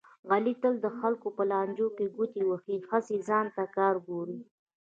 علي تل د خلکو په لانجو کې ګوتې وهي، هسې ځان ته کار ګوري.